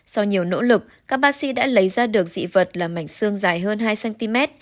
sau nhiều nỗ lực các bác sĩ đã lấy ra được dị vật là mảnh xương dài hơn hai cm